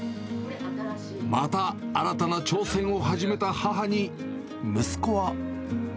また新たな挑戦を始めた母に、息子は。